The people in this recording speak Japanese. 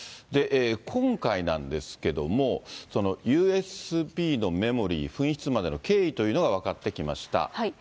今回なんですけども、そのＵＳＢのメモリ、紛失までの経緯というのが分かってきました。